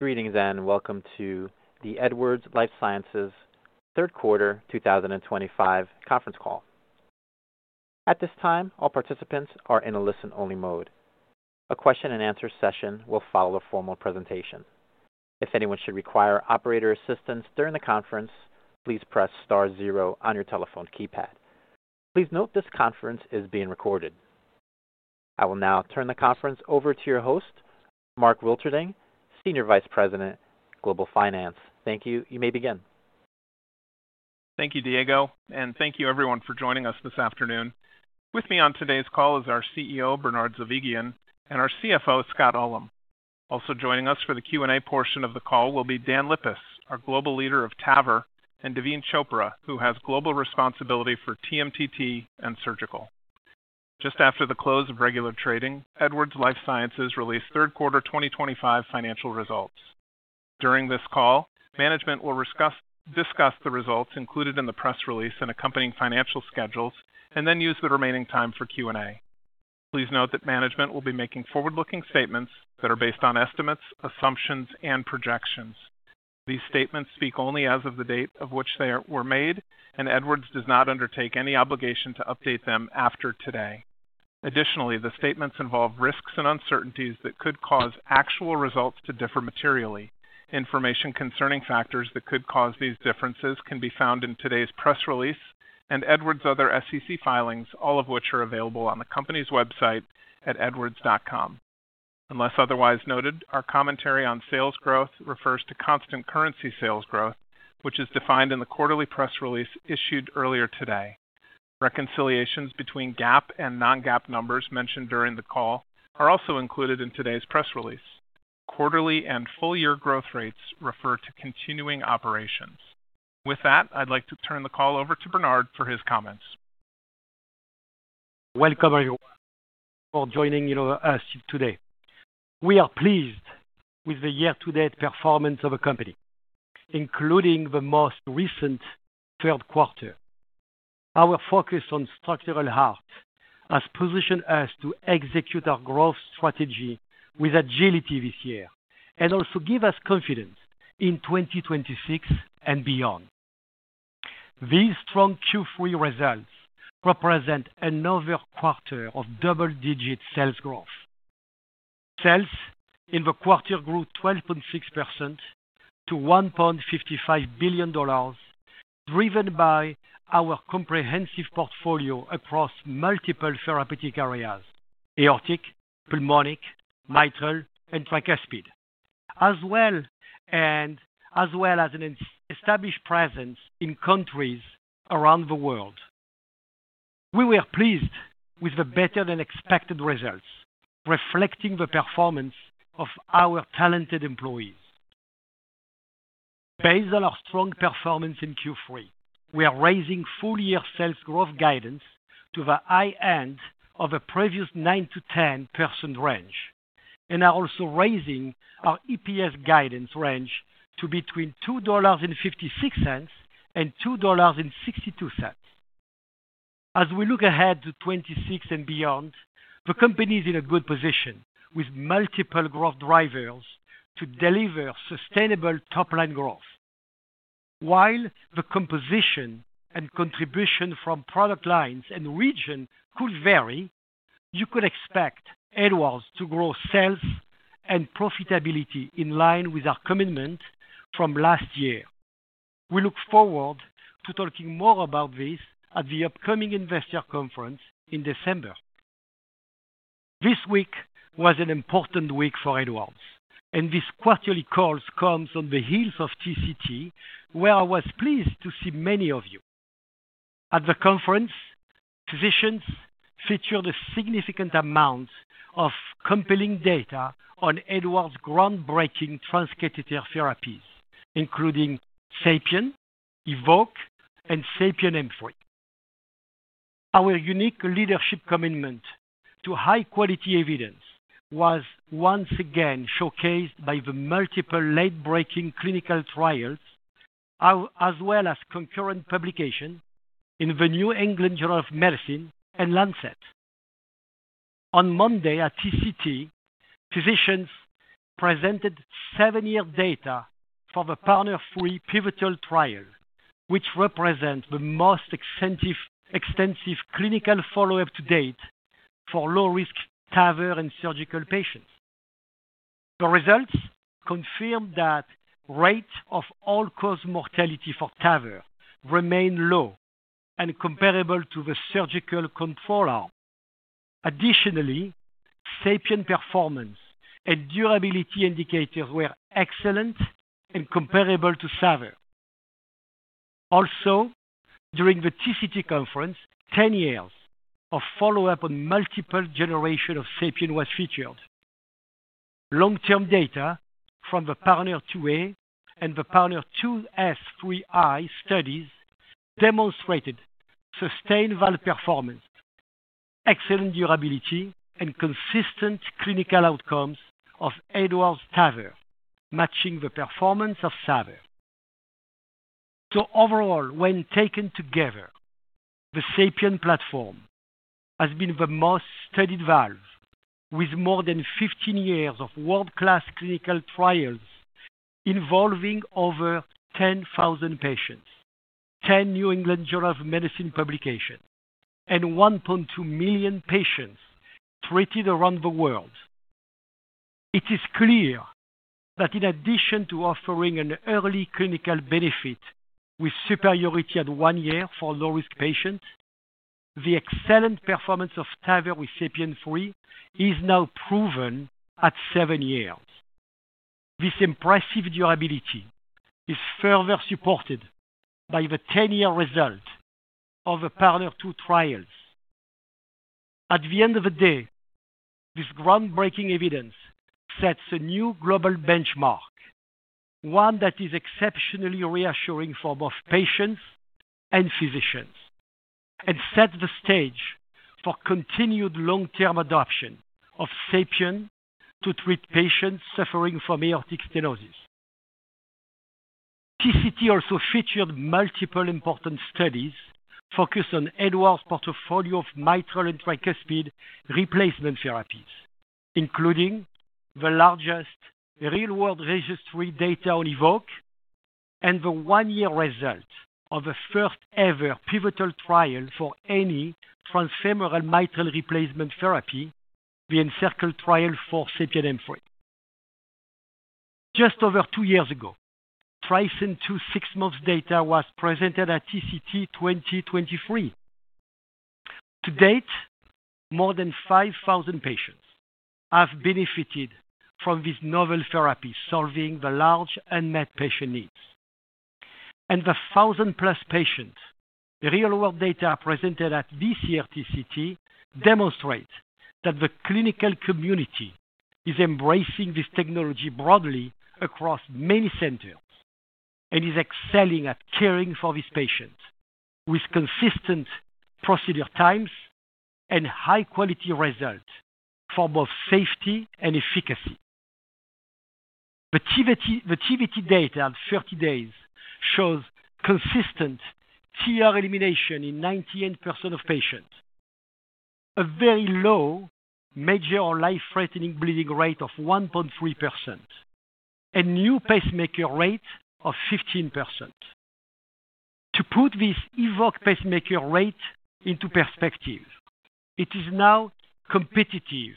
Greetings and welcome to the Edwards Lifesciences third quarter 2025 conference call. At this time, all participants are in a listen-only mode. A question-and-answer session will follow a formal presentation. If anyone should require operator assistance during the conference, please press star zero on your telephone keypad. Please note this conference is being recorded. I will now turn the conference over to your host, Mark Wilterding, Senior Vice President, Global Finance. Thank you. You may begin. Thank you, Diego. Thank you, everyone, for joining us this afternoon. With me on today's call is our CEO, Bernard Zovighian, and our CFO, Scott Ullem. Also joining us for the Q&A portion of the call will be Dan Lippis, our Global Leader of TAVR, and Daveen Chopra, who has global responsibility for TMTT and Surgical. Just after the close of regular trading, Edwards Lifesciences released third quarter 2025 financial results. During this call, management will discuss the results included in the press release and accompanying financial schedules, and then use the remaining time for Q&A. Please note that management will be making forward-looking statements that are based on estimates, assumptions, and projections. These statements speak only as of the date on which they were made, and Edwards does not undertake any obligation to update them after today. Additionally, the statements involve risks and uncertainties that could cause actual results to differ materially. Information concerning factors that could cause these differences can be found in today's press release and Edwards' other SEC filings, all of which are available on the company's website at edwards.com. Unless otherwise noted, our commentary on sales growth refers to constant currency sales growth, which is defined in the quarterly press release issued earlier today. Reconciliations between GAAP and non-GAAP numbers mentioned during the call are also included in today's press release. Quarterly and full-year growth rates refer to continuing operations. With that, I'd like to turn the call over to Bernard for his comments. Welcome, everyone, for joining us today. We are pleased with the year-to-date performance of the company, including the most recent third quarter. Our focus on structural heart has positioned us to execute our growth strategy with agility this year and also give us confidence in 2026 and beyond. These strong Q3 results represent another quarter of double-digit sales growth. Sales in the quarter grew 12.6% to $1.55 billion, driven by our comprehensive portfolio across multiple therapeutic areas: aortic, pulmonic, mitral, and tricuspid, as well as an established presence in countries around the world. We were pleased with the better-than-expected results, reflecting the performance of our talented employees. Based on our strong performance in Q3, we are raising full-year sales growth guidance to the high end of the previous 9% to 10% range and are also raising our EPS guidance range to between $2.56 and $2.62. As we look ahead to 2026 and beyond, the company is in a good position with multiple growth drivers to deliver sustainable top-line growth. While the composition and contribution from product lines and region could vary, you could expect Edwards to grow sales and profitability in line with our commitment from last year. We look forward to talking more about this at the upcoming investor conference in December. This week was an important week for Edwards, and this quarterly call comes on the heels of TCT, where I was pleased to see many of you. At the conference, exhibitions featured a significant amount of compelling data on Edwards' groundbreaking transcatheter therapies, including SAPIEN, EVOQUE, and SAPIEN M3. Our unique leadership commitment to high-quality evidence was once again showcased by the multiple late-breaking clinical trials, as well as concurrent publications in the New England Journal of Medicine and Lancet. On Monday at TCT, physicians presented seven-year data for the PARTNER 3 pivotal trial, which represents the most extensive clinical follow-up to date for low-risk TAVR and surgical patients. The results confirmed that rates of all-cause mortality for TAVR remain low and comparable to the surgical control arm. Additionally, SAPIEN performance and durability indicators were excellent and comparable to TAVR. Also, during the TCT conference, 10 years of follow-up on multiple generations of SAPIEN was featured. Long-term data from the PARTNER 2A and the PARTNER 2 S3i studies demonstrated sustained valve performance. Excellent durability, and consistent clinical outcomes of Edwards TAVR matching the performance of TAVR. Overall, when taken together, the SAPIEN platform has been the most studied valve, with more than 15 years of world-class clinical trials involving over 10,000 patients, 10 New England Journal of Medicine publications, and 1.2 million patients treated around the world. It is clear that in addition to offering an early clinical benefit with superiority at one year for low-risk patients, the excellent performance of TAVR with SAPIEN 3 is now proven at seven years. This impressive durability is further supported by the 10-year result of the PARTNER 2 trials. At the end of the day, this groundbreaking evidence sets a new global benchmark, one that is exceptionally reassuring for both patients and physicians, and sets the stage for continued long-term adoption of SAPIEN to treat patients suffering from aortic stenosis. TCT also featured multiple important studies focused on Edwards' portfolio of mitral and tricuspid replacement therapies, including the largest real-world registry data on EVOQUE and the one-year result of the first-ever pivotal trial for any transfemoral mitral replacement therapy, the ENCIRCLE trial for SAPIEN M3. Just over two years ago, TRICENT-2 six-month data was presented at TCT 2023. To date, more than 5,000 patients have benefited from this novel therapy, solving the large unmet patient needs. The 1,000-plus patient real-world data presented at this year's TCT demonstrates that the clinical community is embracing this technology broadly across many centers and is excelling at caring for these patients with consistent procedure times and high-quality results for both safety and efficacy. The TVT data at 30 days shows consistent TR elimination in 98% of patients, a very low major or life-threatening bleeding rate of 1.3%, and new pacemaker rate of 15%. To put this EVOQUE pacemaker rate into perspective, it is now competitive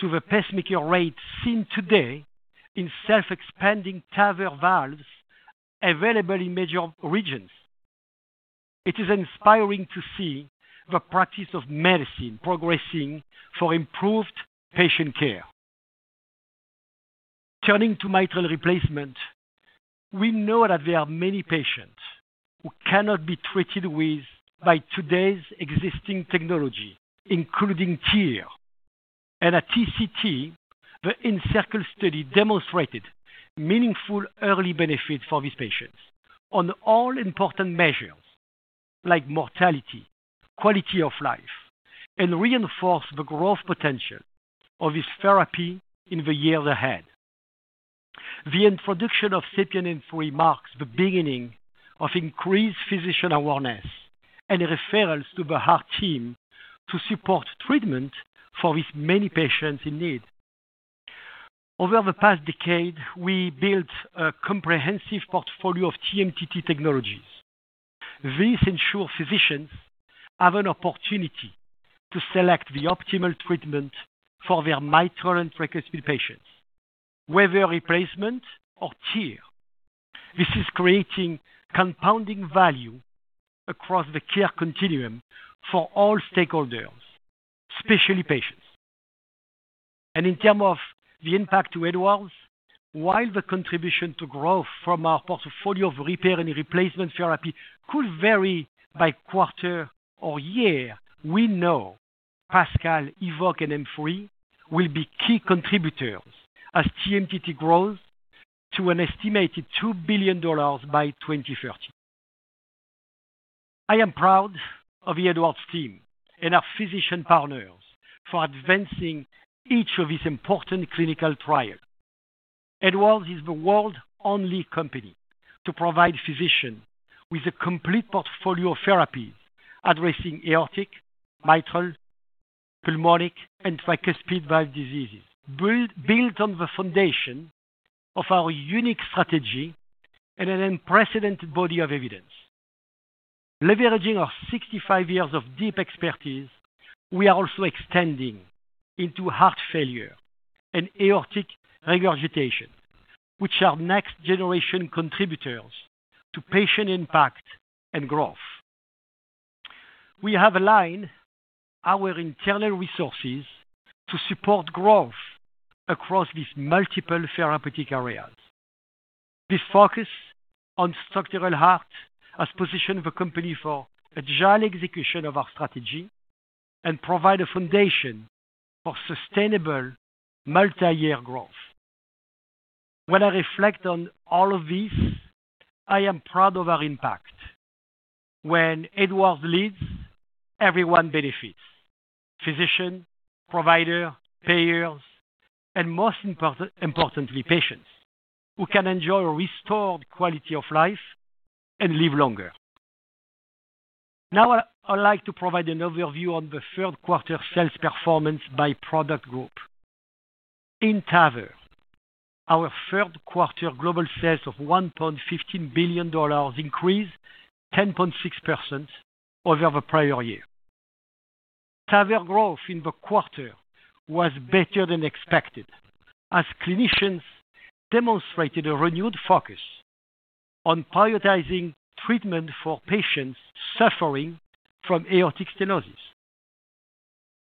to the pacemaker rate seen today in self-expanding TAVR valves available in major regions. It is inspiring to see the practice of medicine progressing for improved patient care. Turning to mitral replacement. We know that there are many patients who cannot be treated by today's existing technology, including TEER, and at TCT, the Encircle study demonstrated meaningful early benefits for these patients on all important measures like mortality, quality of life, and reinforced the growth potential of this therapy in the years ahead. The introduction of SAPIEN M3 marks the beginning of increased physician awareness and referrals to the heart team to support treatment for these many patients in need. Over the past decade, we built a comprehensive portfolio of TMTT technologies. These ensure physicians have an opportunity to select the optimal treatment for their mitral and tricuspid patients, whether replacement or TEER. This is creating compounding value across the care continuum for all stakeholders, especially patients. In terms of the impact to Edwards, while the contribution to growth from our portfolio of repair and replacement therapy could vary by quarter or year, we know PASCAL, EVOQUE, and M3 will be key contributors as TMTT grows to an estimated $2 billion by 2030. I am proud of the Edwards team and our physician partners for advancing each of these important clinical trials. Edwards is the world's only company to provide physicians with a complete portfolio of therapies addressing aortic, mitral, pulmonic, and tricuspid valve diseases, built on the foundation of our unique strategy and an unprecedented body of evidence. Leveraging our 65 years of deep expertise, we are also extending into heart failure and aortic regurgitation, which are next-generation contributors to patient impact and growth. We have aligned our internal resources to support growth across these multiple therapeutic areas. This focus on structural heart has positioned the company for agile execution of our strategy and provides a foundation for sustainable, multi-year growth. When I reflect on all of these, I am proud of our impact. When Edwards leads, everyone benefits: physicians, providers, payers, and most importantly, patients who can enjoy restored quality of life and live longer. Now, I'd like to provide an overview on the third-quarter sales performance by product group. In TAVR, our third-quarter global sales of $1.15 billion increased 10.6% over the prior year. TAVR growth in the quarter was better than expected as clinicians demonstrated a renewed focus on prioritizing treatment for patients suffering from aortic stenosis.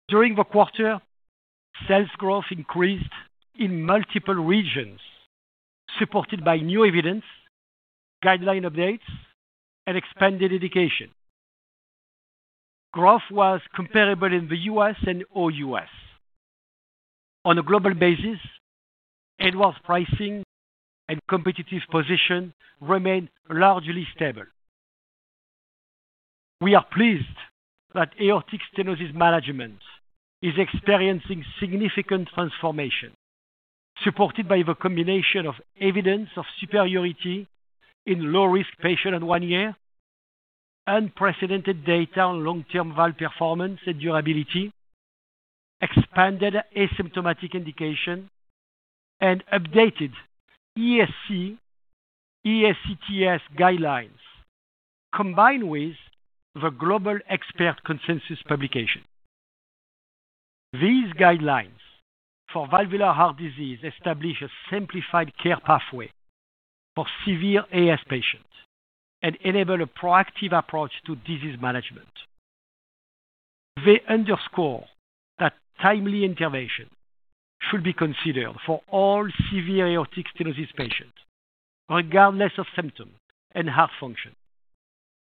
During the quarter. Sales growth increased in multiple regions, supported by new evidence, guideline updates, and expanded education. Growth was comparable in the U.S. and all U.S. On a global basis, Edwards' pricing and competitive position remain largely stable. We are pleased that aortic stenosis management is experiencing significant transformation, supported by the combination of evidence of superiority in low-risk patients at one year, unprecedented data on long-term valve performance and durability, expanded asymptomatic indication, and updated ESC, ESCTS guidelines, combined with the Global Expert Consensus publication. These guidelines for valvular heart disease establish a simplified care pathway for severe AS patients and enable a proactive approach to disease management. They underscore that timely intervention should be considered for all severe aortic stenosis patients, regardless of symptom and heart function,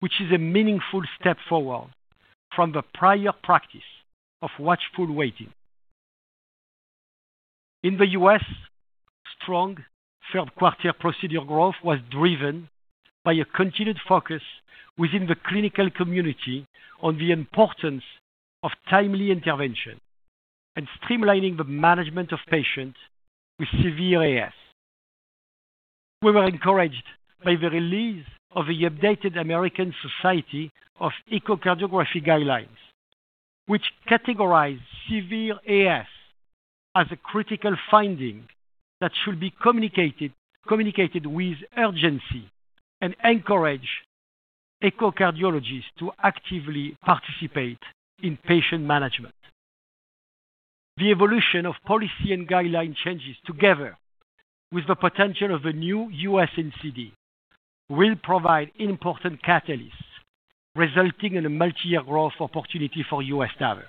which is a meaningful step forward from the prior practice of watchful waiting. In the U.S., strong third-quarter procedure growth was driven by a continued focus within the clinical community on the importance of timely intervention and streamlining the management of patients with severe AS. We were encouraged by the release of the updated American Society of Echocardiography Guidelines, which categorized severe AS as a critical finding that should be communicated with urgency and encouraged echocardiologists to actively participate in patient management. The evolution of policy and guideline changes, together with the potential of a new U.S. NCD, will provide important catalysts, resulting in a multi-year growth opportunity for U.S. TAVR.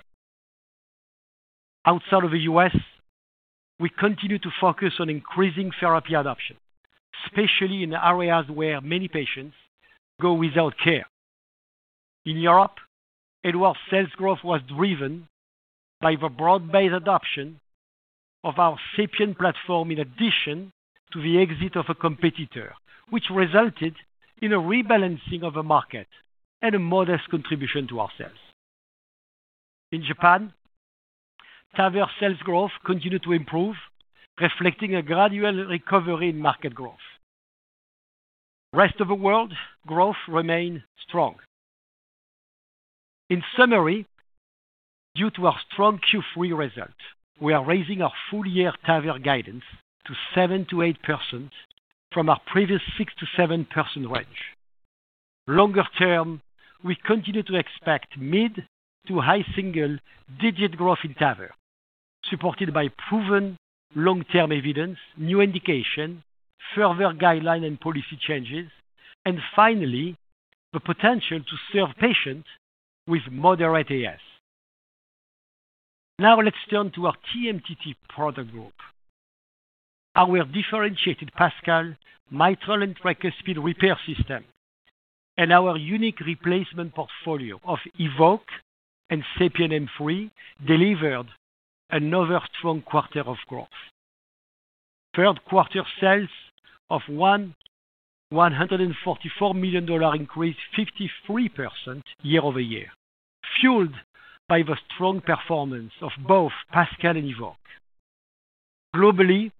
Outside of the U.S., we continue to focus on increasing therapy adoption, especially in areas where many patients go without care. In Europe, Edwards' sales growth was driven by the broad-based adoption of our SAPIEN platform in addition to the exit of a competitor, which resulted in a rebalancing of the market and a modest contribution to our sales. In Japan, TAVR sales growth continued to improve, reflecting a gradual recovery in market growth. Rest of the world, growth remained strong. In summary, due to our strong Q3 result, we are raising our full-year TAVR guidance to 7 to 8% from our previous 6 to 7% range. Longer term, we continue to expect mid to high single-digit growth in TAVR, supported by proven long-term evidence, new indication, further guideline and policy changes, and finally, the potential to serve patients with moderate AS. Now, let's turn to our TMTT product group. Our differentiated PASCAL, mitral, and tricuspid repair system, and our unique replacement portfolio of EVOQUE and SAPIEN M3 delivered another strong quarter of growth. Third-quarter sales of $144 million increased 53% year over year, fueled by the strong performance of both PASCAL and EVOQUE. Globally,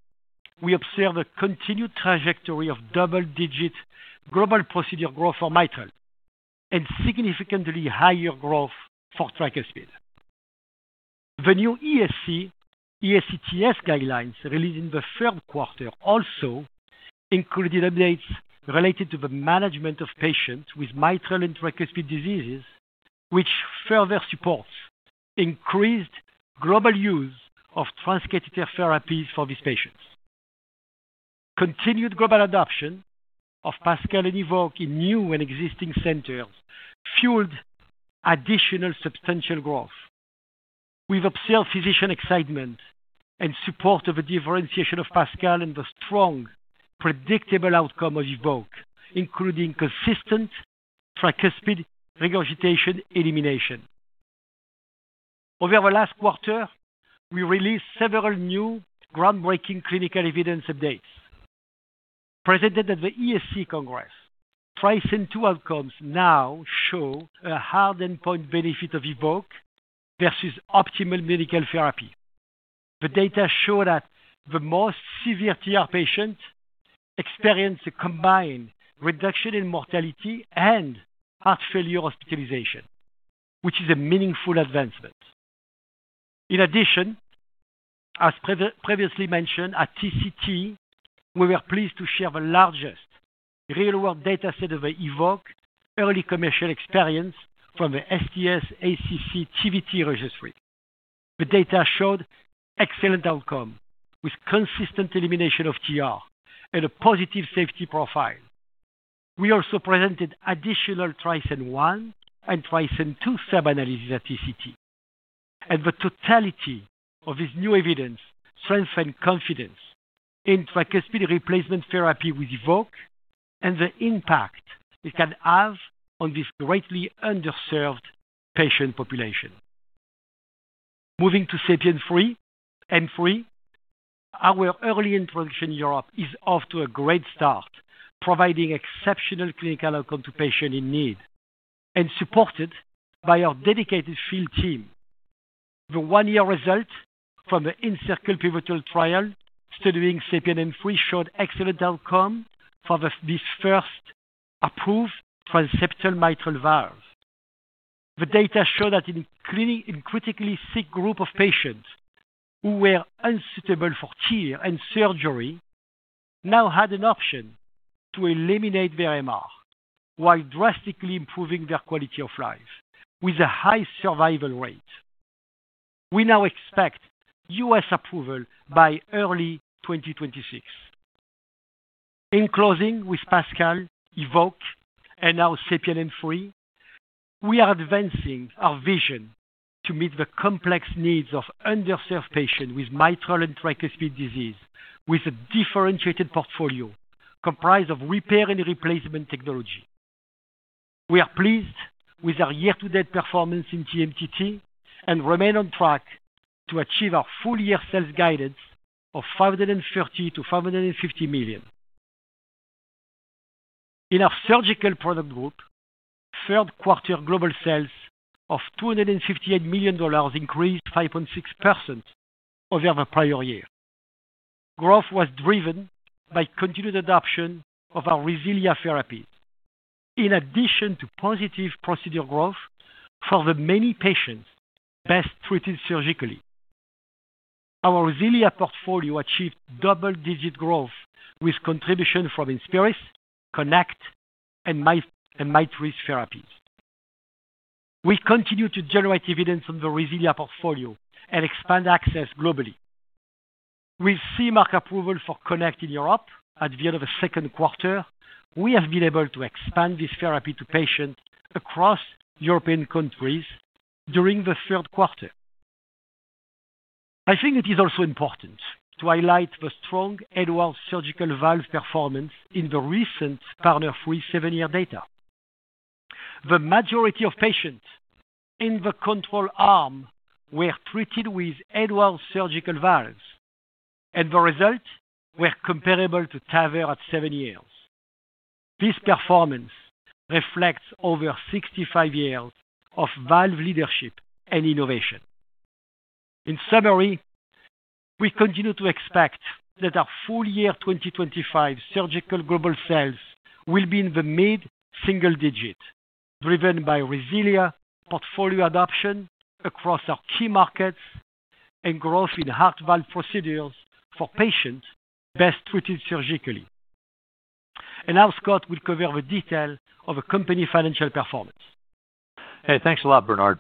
we observe a continued trajectory of double-digit global procedure growth for mitral and significantly higher growth for tricuspid. The new ESCTS guidelines released in the third quarter also included updates related to the management of patients with mitral and tricuspid diseases, which further supports increased global use of transcatheter therapies for these patients. Continued global adoption of PASCAL and EVOQUE in new and existing centers fueled additional substantial growth. We've observed physician excitement and support of the differentiation of PASCAL and the strong predictable outcome of EVOQUE, including consistent tricuspid regurgitation elimination. Over the last quarter, we released several new groundbreaking clinical evidence updates. Presented at the ESC Congress, TRICENT-2 outcomes now show a hard endpoint benefit of EVOQUE versus optimal medical therapy. The data show that the most severe TR patients experience a combined reduction in mortality and heart failure hospitalization, which is a meaningful advancement. In addition, as previously mentioned at TCT, we were pleased to share the largest real-world dataset of the EVOQUE early commercial experience from the STS ACC TVT registry. The data showed excellent outcome with consistent elimination of TR and a positive safety profile. We also presented additional TRICENT-1 and TRICENT-2 sub-analyses at TCT. The totality of this new evidence strengthened confidence in tricuspid replacement therapy with EVOQUE and the impact it can have on this greatly underserved patient population. Moving to SAPIEN M3, our early introduction in Europe is off to a great start, providing exceptional clinical outcome to patients in need and supported by our dedicated field team. The one-year result from the ENCIRCLE pivotal trial studying SAPIEN M3 showed excellent outcome for this first approved transseptal mitral valve. The data showed that in a critically sick group of patients who were unsuitable for TEER and surgery, now had an option to eliminate their MR while drastically improving their quality of life with a high survival rate. We now expect U.S. approval by early 2026. In closing with PASCAL, EVOQUE, and now SAPIEN M3, we are advancing our vision to meet the complex needs of underserved patients with mitral and tricuspid disease with a differentiated portfolio comprised of repair and replacement technology. We are pleased with our year-to-date performance in TMTT and remain on track to achieve our full-year sales guidance of $530 to $550 million. In our surgical product group, third-quarter global sales of $258 million increased 5.6% over the prior year. Growth was driven by continued adoption of our RESILIA therapies, in addition to positive procedure growth for the many patients best treated surgically. Our RESILIA portfolio achieved double-digit growth with contributions from INSPIRIS, Connect, and MITRIS therapies. We continue to generate evidence on the RESILIA portfolio and expand access globally. With CE Mark approval for Connect in Europe at the end of the second quarter, we have been able to expand this therapy to patients across European countries during the third quarter. I think it is also important to highlight the strong Edwards surgical valve performance in the recent PARTNER 3 seven-year data. The majority of patients in the control arm were treated with Edwards surgical valves, and the results were comparable to TAVR at seven years. This performance reflects over 65 years of valve leadership and innovation. In summary, we continue to expect that our full-year 2025 surgical global sales will be in the mid-single digit, driven by RESILIA portfolio adoption across our key markets and growth in heart valve procedures for patients best treated surgically. Now, Scott will cover the detail of company financial performance. Thanks a lot, Bernard.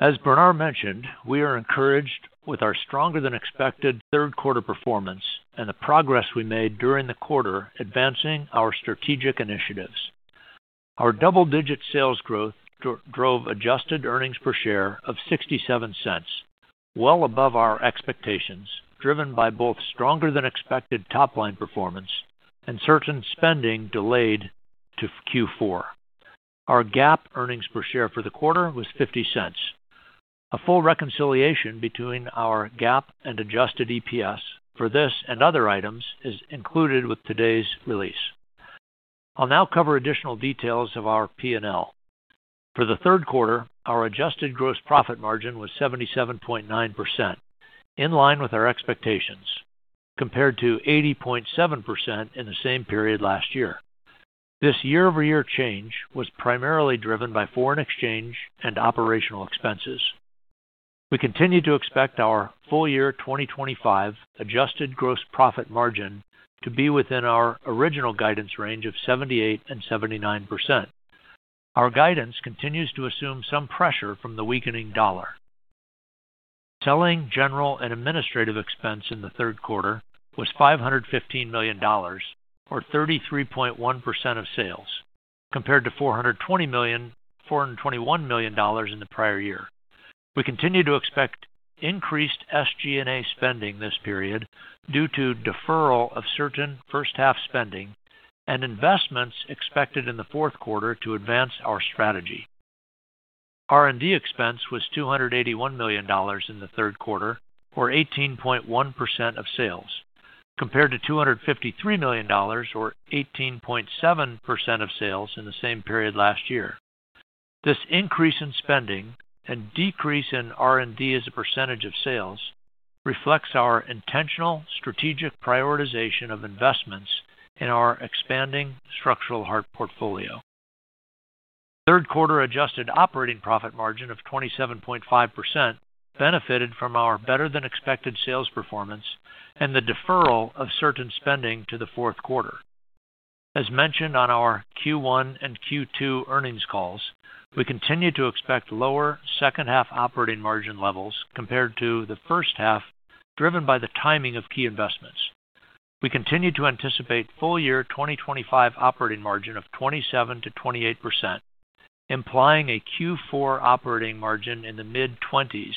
As Bernard mentioned, we are encouraged with our stronger-than-expected third-quarter performance and the progress we made during the quarter advancing our strategic initiatives. Our double-digit sales growth drove adjusted earnings per share of $0.67, well above our expectations, driven by both stronger-than-expected top-line performance and certain spending delayed to Q4. Our GAAP earnings per share for the quarter was $0.50. A full reconciliation between our GAAP and adjusted EPS for this and other items is included with today's release. I'll now cover additional details of our P&L. For the third quarter, our adjusted gross profit margin was 77.9%, in line with our expectations, compared to 80.7% in the same period last year. This year-over-year change was primarily driven by foreign exchange and operational expenses. We continue to expect our full-year 2025 adjusted gross profit margin to be within our original guidance range of 78% and 79%. Our guidance continues to assume some pressure from the weakening dollar. Selling, general, and administrative expense in the third quarter was $515 million, or 33.1% of sales, compared to $420 million, $421 million in the prior year. We continue to expect increased SG&A spending this period due to deferral of certain first-half spending and investments expected in the fourth quarter to advance our strategy. R&D expense was $281 million in the third quarter, or 18.1% of sales, compared to $253 million, or 18.7% of sales in the same period last year. This increase in spending and decrease in R&D as a percentage of sales reflects our intentional strategic prioritization of investments in our expanding structural heart portfolio. Third-quarter adjusted operating profit margin of 27.5% benefited from our better-than-expected sales performance and the deferral of certain spending to the fourth quarter. As mentioned on our Q1 and Q2 earnings calls, we continue to expect lower second-half operating margin levels compared to the first half, driven by the timing of key investments. We continue to anticipate full-year 2025 operating margin of 27% to 28%, implying a Q4 operating margin in the mid-20s,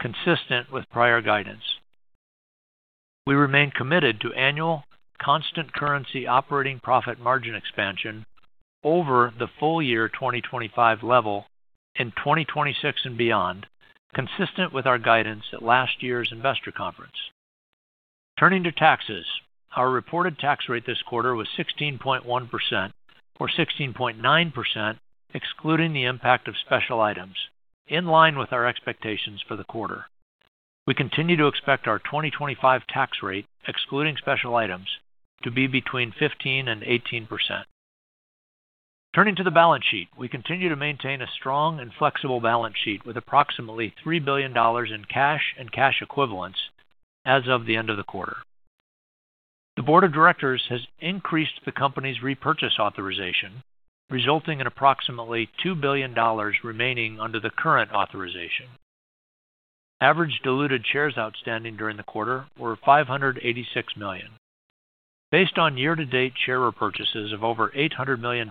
consistent with prior guidance. We remain committed to annual constant currency operating profit margin expansion over the full-year 2025 level in 2026 and beyond, consistent with our guidance at last year's investor conference. Turning to taxes, our reported tax rate this quarter was 16.1%, or 16.9% excluding the impact of special items, in line with our expectations for the quarter. We continue to expect our 2025 tax rate, excluding special items, to be between 15% and 18%. Turning to the balance sheet, we continue to maintain a strong and flexible balance sheet with approximately $3 billion in cash and cash equivalents as of the end of the quarter. The board of directors has increased the company's repurchase authorization, resulting in approximately $2 billion remaining under the current authorization. Average diluted shares outstanding during the quarter were 586 million. Based on year-to-date share repurchases of over $800 million,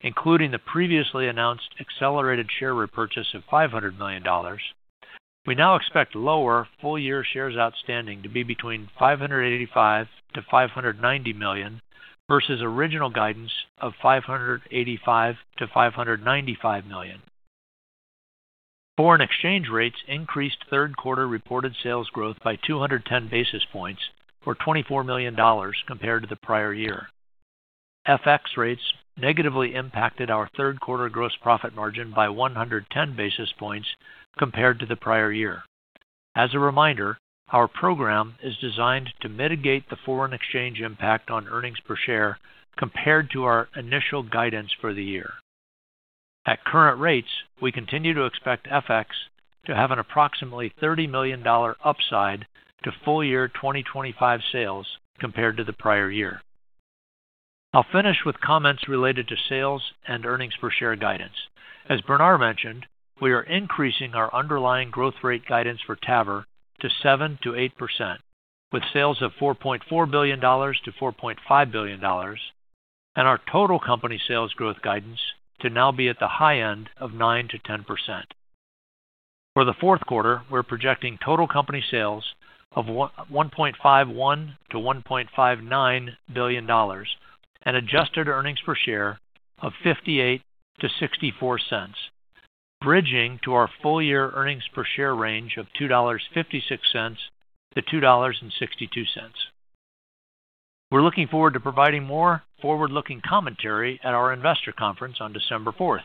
including the previously announced accelerated share repurchase of $500 million, we now expect lower full-year shares outstanding to be between 585 to 590 million versus original guidance of 585 to 595 million. Foreign exchange rates increased third-quarter reported sales growth by 210 basis points, or $24 million compared to the prior year. FX rates negatively impacted our third-quarter gross profit margin by 110 basis points compared to the prior year. As a reminder, our program is designed to mitigate the foreign exchange impact on earnings per share compared to our initial guidance for the year. At current rates, we continue to expect FX to have an approximately $30 million upside to full-year 2025 sales compared to the prior year. I'll finish with comments related to sales and earnings per share guidance. As Bernard mentioned, we are increasing our underlying growth rate guidance for TAVR to 7 to 8%, with sales of $4.4 billion to $4.5 billion, and our total company sales growth guidance to now be at the high end of 9 to 10%. For the fourth quarter, we're projecting total company sales of $1.51 to $1.59 billion and adjusted earnings per share of $0.58 to $0.64, bridging to our full-year earnings per share range of $2.56 to $2.62. We're looking forward to providing more forward-looking commentary at our investor conference on December 4th.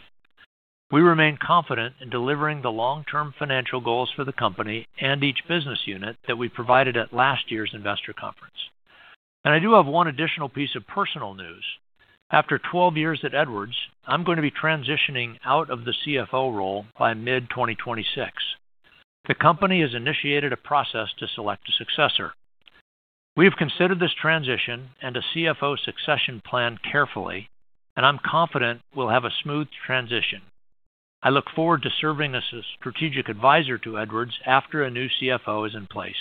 We remain confident in delivering the long-term financial goals for the company and each business unit that we provided at last year's investor conference. I do have one additional piece of personal news. After 12 years at Edwards, I'm going to be transitioning out of the CFO role by mid-2026. The company has initiated a process to select a successor. We have considered this transition and a CFO succession plan carefully, and I'm confident we'll have a smooth transition. I look forward to serving as a strategic advisor to Edwards after a new CFO is in place.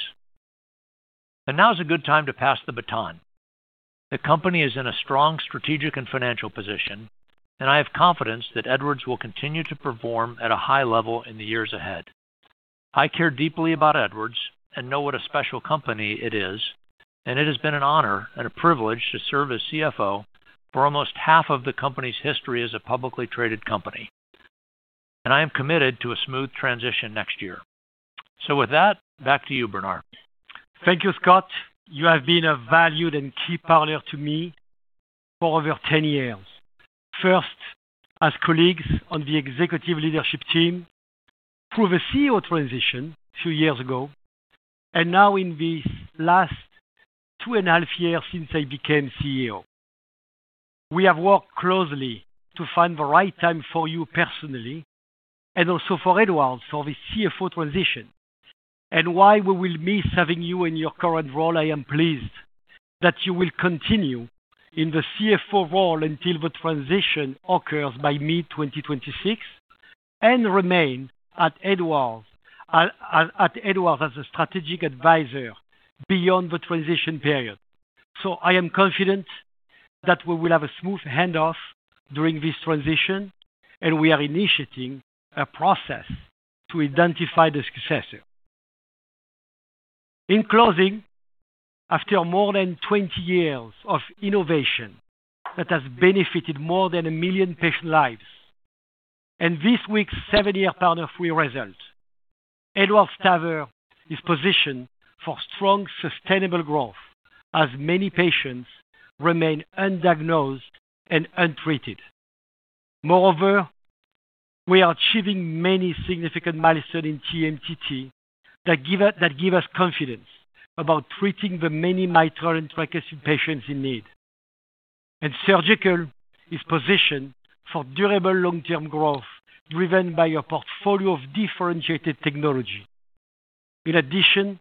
Now is a good time to pass the baton. The company is in a strong strategic and financial position, and I have confidence that Edwards will continue to perform at a high level in the years ahead. I care deeply about Edwards and know what a special company it is, and it has been an honor and a privilege to serve as CFO for almost half of the company's history as a publicly traded company. I am committed to a smooth transition next year. With that, back to you, Bernard. Thank you, Scott. You have been a valued and key partner to me for over 10 years, first as colleagues on the executive leadership team, through the CEO transition a few years ago, and now in these last two and a half years since I became CEO. We have worked closely to find the right time for you personally and also for Edwards for the CFO transition. While we will miss having you in your current role, I am pleased that you will continue in the CFO role until the transition occurs by mid-2026 and remain at Edwards as a strategic advisor beyond the transition period. I am confident that we will have a smooth handoff during this transition, and we are initiating a process to identify the successor. In closing, after more than 20 years of innovation that has benefited more than a million patient lives, and this week's seven-year PARTNER 3 result, Edwards TAVR is positioned for strong, sustainable growth as many patients remain undiagnosed and untreated. Moreover, we are achieving many significant milestones in TMTT that give us confidence about treating the many mitral and tricuspid patients in need. Surgical is positioned for durable long-term growth driven by a portfolio of differentiated technology. In addition,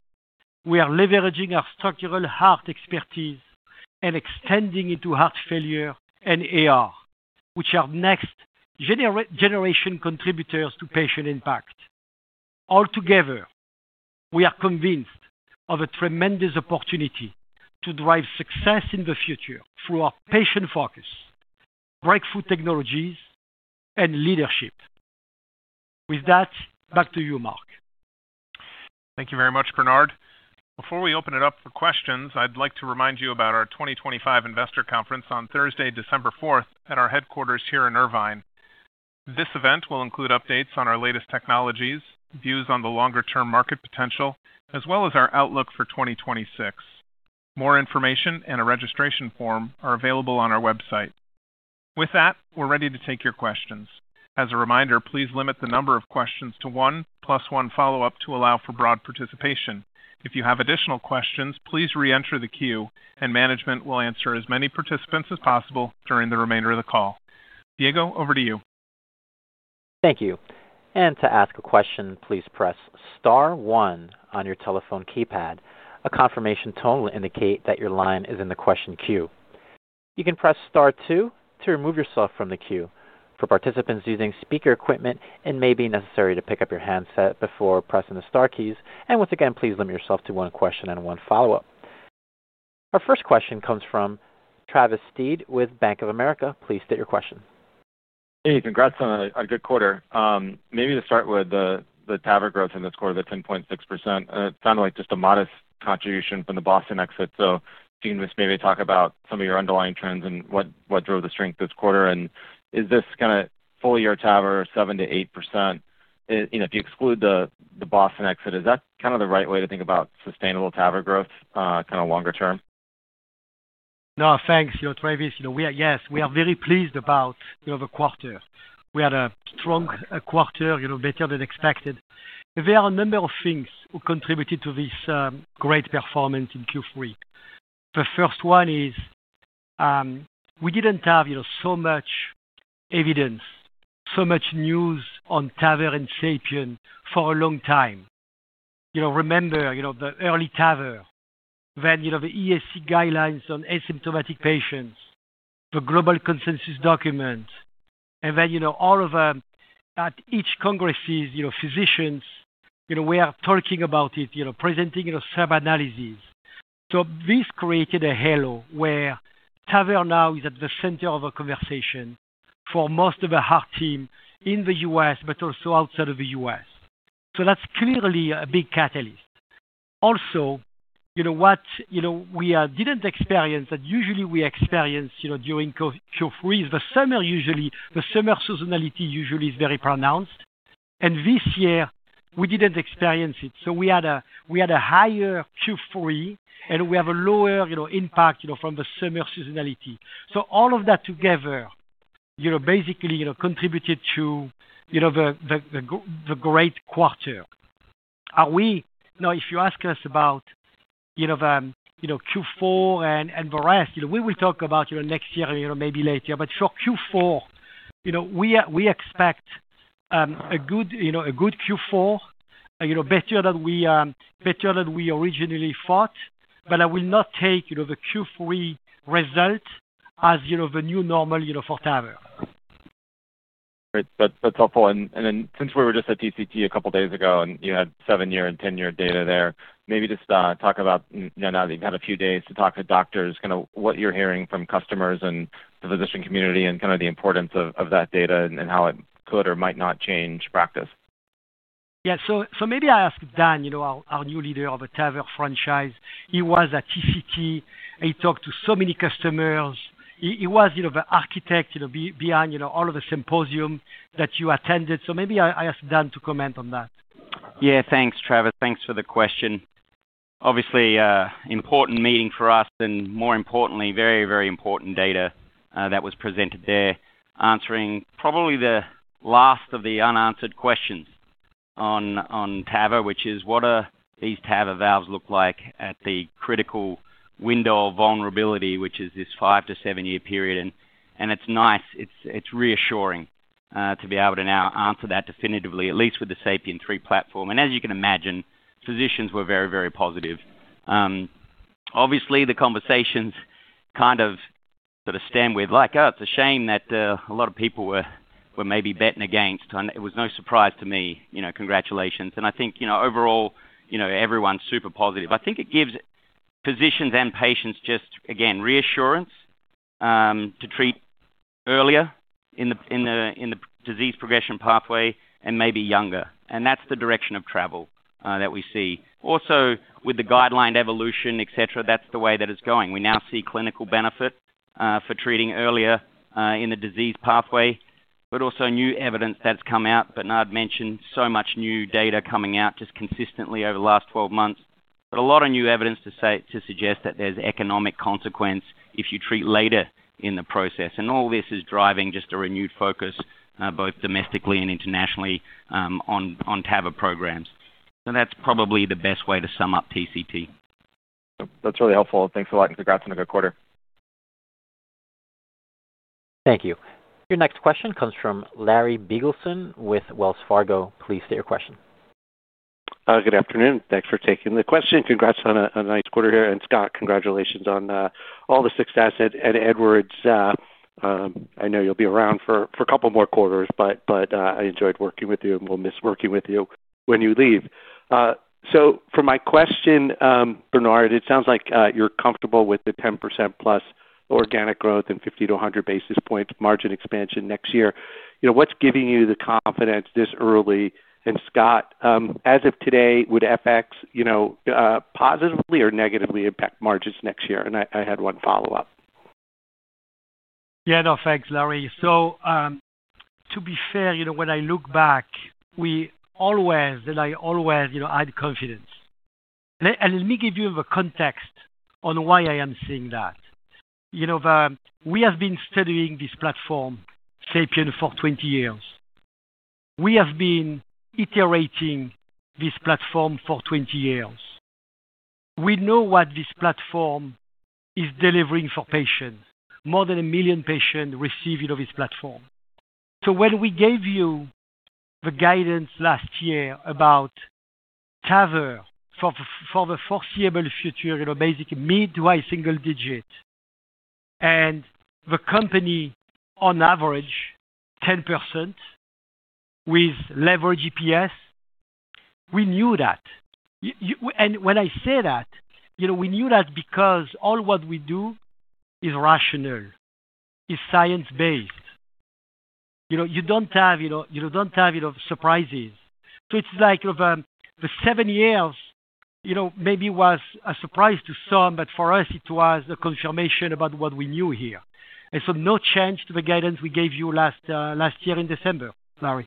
we are leveraging our structural heart expertise and extending into heart failure and AR, which are next-generation contributors to patient impact. Altogether, we are convinced of a tremendous opportunity to drive success in the future through our patient focus, breakthrough technologies, and leadership. With that, back to you, Mark. Thank you very much, Bernard. Before we open it up for questions, I'd like to remind you about our 2025 investor conference on Thursday, December 4th, at our headquarters here in Irvine. This event will include updates on our latest technologies, views on the longer-term market potential, as well as our outlook for 2026. More information and a registration form are available on our website. With that, we're ready to take your questions. As a reminder, please limit the number of questions to one plus one follow-up to allow for broad participation. If you have additional questions, please re-enter the queue, and management will answer as many participants as possible during the remainder of the call. Diego, over to you. Thank you. To ask a question, please press star one on your telephone keypad. A confirmation tone will indicate that your line is in the question queue. You can press star two to remove yourself from the queue. For participants using speaker equipment, it may be necessary to pick up your handset before pressing the star keys. Once again, please limit yourself to one question and one follow-up. Our first question comes from Travis Steed with Bank of America. Please state your question. Hey, congrats on a good quarter. Maybe to start with, the TAVR growth in this quarter of 10.6% sounded like just a modest contribution from the Boston exit. If you can just maybe talk about some of your underlying trends and what drove the strength this quarter. Is this kind of full-year TAVR 7% to 8%? If you exclude the Boston exit, is that kind of the right way to think about sustainable TAVR growth longer term? No, thanks. Travis, yes, we are very pleased about the quarter. We had a strong quarter, better than expected. There are a number of things that contributed to this great performance in Q3. The first one is we didn't have so much evidence, so much news on TAVR and SAPIEN for a long time. Remember the early TAVR, then the ESC guidelines on asymptomatic patients, the global consensus document. Each congress, physicians are talking about it, presenting some analyses. This created a halo where TAVR now is at the center of a conversation for most of the heart team in the U.S., but also outside of the U.S. That's clearly a big catalyst. Also, what we didn't experience that usually we experience during Q3 is the summer seasonality, which usually is very pronounced. This year, we didn't experience it. We had a higher Q3, and we have a lower impact from the summer seasonality. All of that together basically contributed to the great quarter. If you ask us about Q4 and the rest, we will talk about next year and maybe later. For Q4, we expect a good Q4, better than we originally thought, but I will not take the Q3 result as the new normal for TAVR. Great. That's helpful. Since we were just at TCT a couple of days ago and you had seven-year and 10-year data there, maybe just talk about now that you've had a few days to talk to doctors, kind of what you're hearing from customers and the physician community and the importance of that data and how it could or might not change practice. Maybe I ask Dan, our new leader of the TAVR franchise. He was at TCT. He talked to so many customers. He was the architect behind all of the symposium that you attended. Maybe I ask Dan to comment on that. Yeah. Thanks, Travis. Thanks for the question. Obviously, important meeting for us, and more importantly, very, very important data that was presented there, answering probably the last of the unanswered questions on TAVR, which is what do these TAVR valves look like at the critical window of vulnerability, which is this five to seven-year period. It's nice. It's reassuring to be able to now answer that definitively, at least with the SAPIEN 3 platform. As you can imagine, physicians were very, very positive. Obviously, the conversations kind of stemmed with like, "Oh, it's a shame that a lot of people were maybe betting against." It was no surprise to me. Congratulations. I think overall, everyone's super positive. I think it gives physicians and patients just, again, reassurance to treat earlier in the disease progression pathway and maybe younger. That's the direction of travel that we see. Also, with the guideline evolution, etc., that's the way that it's going. We now see clinical benefit for treating earlier in the disease pathway, but also new evidence that's come out. Bernard mentioned so much new data coming out just consistently over the last 12 months, but a lot of new evidence to suggest that there's economic consequence if you treat later in the process. All this is driving just a renewed focus, both domestically and internationally, on TAVR programs. That's probably the best way to sum up TCT. That's really helpful. Thanks a lot. Congrats on a good quarter. Thank you. Your next question comes from Larry Biegelsen with Wells Fargo. Please state your question. Good afternoon. Thanks for taking the question. Congrats on a nice quarter here. Scott, congratulations on all the success at Edwards. I know you'll be around for a couple more quarters, but I enjoyed working with you and will miss working with you when you leave. For my question, Bernard, it sounds like you're comfortable with the 10%+ organic growth and 50 to 100 basis point margin expansion next year. What's giving you the confidence this early? Scott, as of today, would FX positively or negatively impact margins next year? I had one follow-up. Yeah. No, thanks, Larry. To be fair, when I look back, we always and I always had confidence. Let me give you the context on why I am saying that. We have been studying this platform, SAPIEN, for 20 years. We have been iterating this platform for 20 years. We know what this platform is delivering for patients. More than a million patients receive this platform. When we gave you the guidance last year about TAVR for the foreseeable future, basically mid to high single digit, and the company on average, 10% with leverage EPS, we knew that. When I say that, we knew that because all what we do is rational, is science-based. You don't have surprises. The seven years maybe was a surprise to some, but for us, it was a confirmation about what we knew here. No change to the guidance we gave you last year in December, Larry.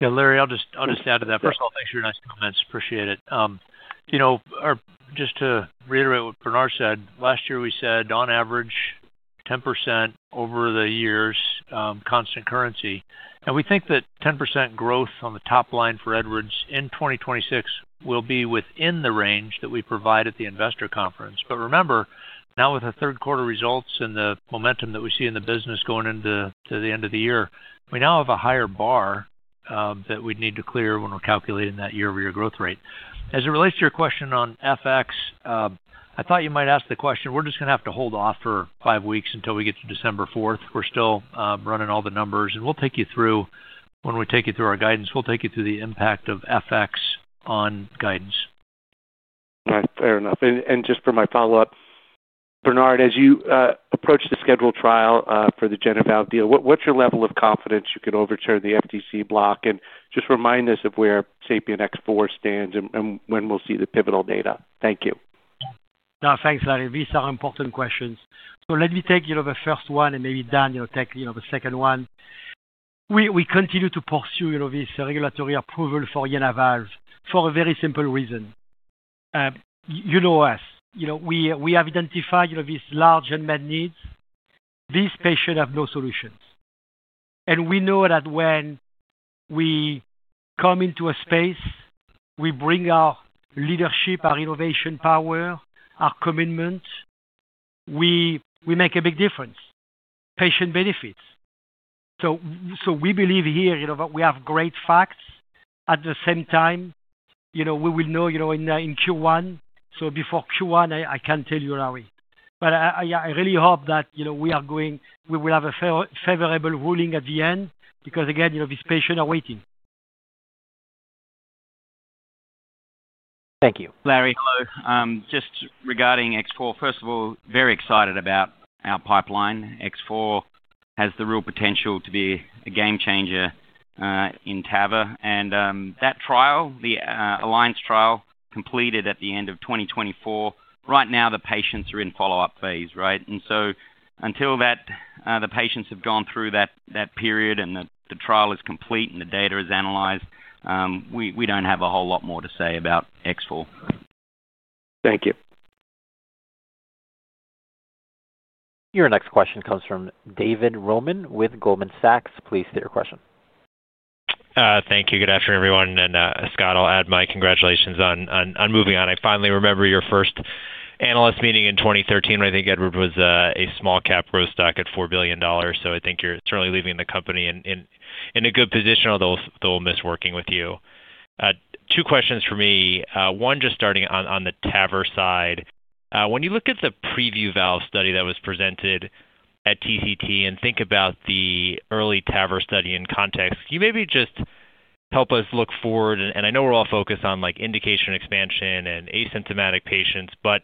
Yeah. Larry, I'll just add to that. First of all, thanks for your nice comments. Appreciate it. Just to reiterate what Bernard said, last year we said, on average, 10% over the years, constant currency. We think that 10% growth on the top line for Edwards in 2026 will be within the range that we provide at the investor conference. Remember, now with the third-quarter results and the momentum that we see in the business going into the end of the year, we now have a higher bar that we'd need to clear when we're calculating that year-over-year growth rate. As it relates to your question on FX, I thought you might ask the question. We're just going to have to hold off for five weeks until we get to December 4th. We're still running all the numbers. We'll take you through when we take you through our guidance, we'll take you through the impact of FX on guidance. Fair enough. For my follow-up, Bernard, as you approach the scheduled trial for the JenaValve, what's your level of confidence you can overturn the FTC block and just remind us of where SAPIEN X4 stands and when we'll see the pivotal data? Thank you. No, thanks, Larry. These are important questions. Let me take the first one and maybe Dan take the second one. We continue to pursue this regulatory approval for JenaValve for a very simple reason. You know us. We have identified these large unmet needs. These patients have no solutions. We know that when we come into a space, we bring our leadership, our innovation power, our commitment. We make a big difference. Patient benefits. We believe here we have great facts. At the same time, we will know in Q1. Before Q1, I can't tell you, Larry. I really hope that we will have a favorable ruling at the end because, again, these patients are waiting. Thank you. Larry, hello. Just regarding X4, first of all, very excited about our pipeline. X4 has the real potential to be a game changer in TAVR. That trial, the ALLIANCE trial, completed at the end of 2024. Right now, the patients are in follow-up phase, right? Until the patients have gone through that period and the trial is complete and the data is analyzed, we don't have a whole lot more to say about X4. Thank you. Your next question comes from David Roman with Goldman Sachs. Please state your question. Thank you. Good afternoon, everyone. Scott, I'll add my congratulations on moving on. I finally remember your first analyst meeting in 2013 when I think Edwards was a small-cap growth stock at $4 billion. I think you're certainly leaving the company in a good position, although they'll miss working with you. Two questions for me. One, just starting on the TAVR side. When you look at the preview valve study that was presented at TCT and think about the early TAVR study in context, can you maybe just help us look forward? I know we're all focused on indication expansion and asymptomatic patients, but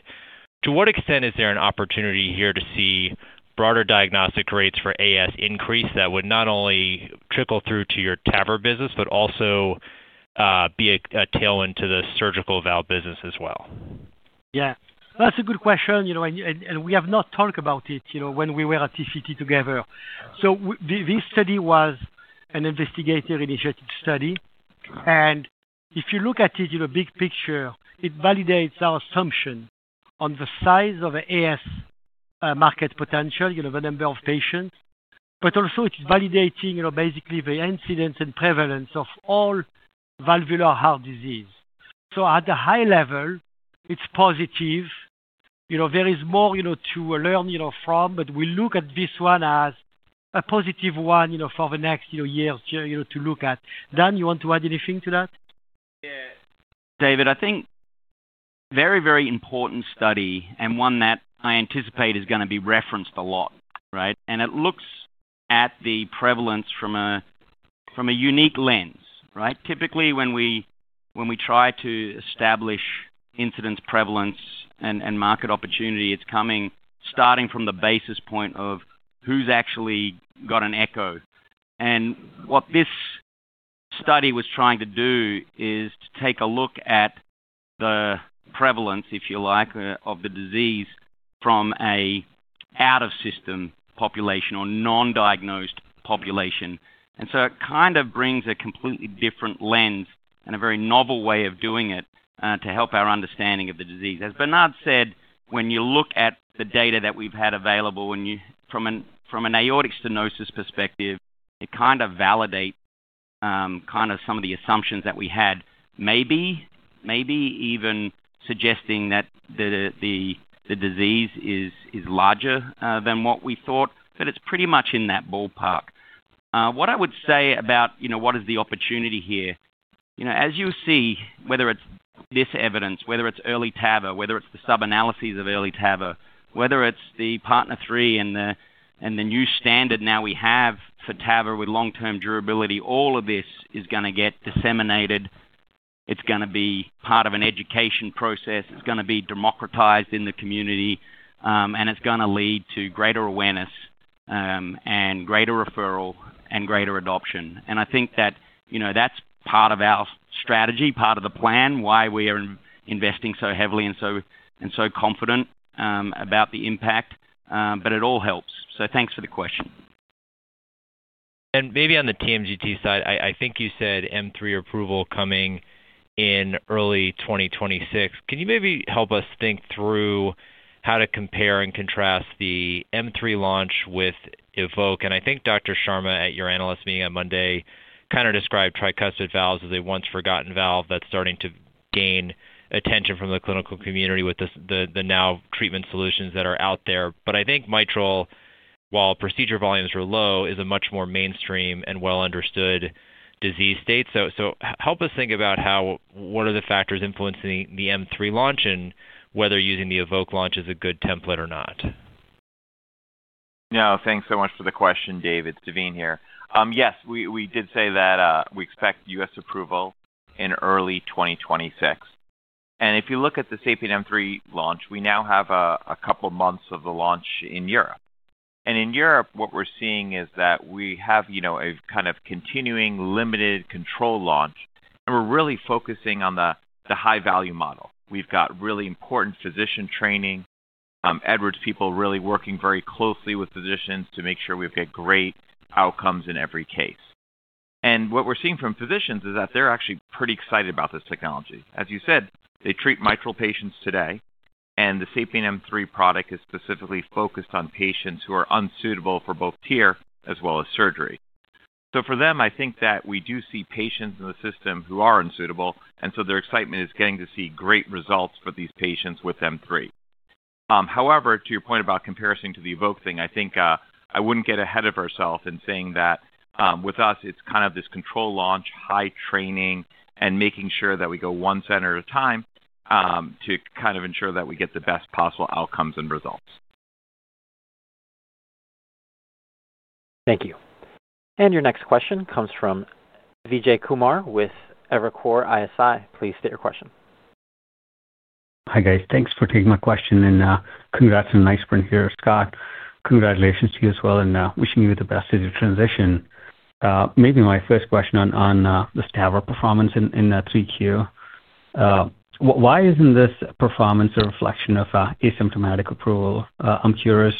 to what extent is there an opportunity here to see broader diagnostic rates for AS increase that would not only trickle through to your TAVR business, but also be a tailwind to the surgical valve business as well? Yeah. That's a good question. We have not talked about it when we were at TCT together. This study was an investigator-initiated study. If you look at it in a big picture, it validates our assumption on the size of the AS market potential, the number of patients. It's validating basically the incidence and prevalence of all valvular heart disease. At the high level, it's positive. There is more to learn from, but we look at this one as a positive one for the next years to look at. Dan, you want to add anything to that? Yeah. David, I think. Very, very important study and one that I anticipate is going to be referenced a lot, right? It looks at the prevalence from a unique lens, right? Typically, when we try to establish incidence, prevalence, and market opportunity, it's coming starting from the basis point of who's actually got an echo. What this study was trying to do is to take a look at the prevalence, if you like, of the disease from an out-of-system population or non-diagnosed population. It brings a completely different lens and a very novel way of doing it to help our understanding of the disease. As Bernard said, when you look at the data that we've had available from an aortic stenosis perspective, it kind of validates some of the assumptions that we had, maybe even suggesting that the disease is larger than what we thought. It's pretty much in that ballpark. What I would say about what is the opportunity here, as you see, whether it's this evidence, whether it's early TAVR, whether it's the sub-analyses of early TAVR, whether it's the PARTNER 3 and the new standard now we have for TAVR with long-term durability, all of this is going to get disseminated. It's going to be part of an education process. It's going to be democratized in the community. It's going to lead to greater awareness, greater referral, and greater adoption. I think that that's part of our strategy, part of the plan, why we are investing so heavily and so confident about the impact. It all helps. Thanks for the question. Maybe on the TMTT side, I think you said M3 approval coming in early 2026. Can you maybe help us think through how to compare and contrast the M3 launch with EVOQUE? I think Dr. Sharma at your analyst meeting on Monday kind of described tricuspid valves as a once-forgotten valve that's starting to gain attention from the clinical community with the now treatment solutions that are out there. I think mitral, while procedure volumes were low, is a much more mainstream and well-understood disease state. Help us think about what are the factors influencing the M3 launch and whether using the EVOQUE launch is a good template or not. No, thanks so much for the question, David. It's Daveen here. Yes, we did say that we expect U.S. approval in early 2026. If you look at the SAPIEN M3 launch, we now have a couple of months of the launch in Europe. In Europe, what we're seeing is that we have a kind of continuing limited control launch. We're really focusing on the high-value model. We've got really important physician training, Edwards people really working very closely with physicians to make sure we've got great outcomes in every case. What we're seeing from physicians is that they're actually pretty excited about this technology. As you said, they treat mitral patients today. The SAPIEN M3 product is specifically focused on patients who are unsuitable for both TEER as well as surgery. For them, I think that we do see patients in the system who are unsuitable. Their excitement is getting to see great results for these patients with M3. However, to your point about comparison to the EVOQUE thing, I think I wouldn't get ahead of ourselves in saying that with us, it's kind of this control launch, high training, and making sure that we go one center at a time to ensure that we get the best possible outcomes and results. Thank you. Your next question comes from Vijay Kumar with Evercore ISI. Please state your question. Hi guys. Thanks for taking my question. Congrats on an icebreaker here, Scott. Congratulations to you as well and wishing you the best of your transition. Maybe my first question on the TAVR performance in Q3. Why isn't this performance a reflection of asymptomatic approval? I'm curious